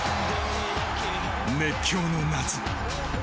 熱狂の夏。